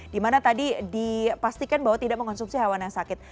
di mana tadi dipastikan bahwa tidak mengkonsumsi hewan yang sakit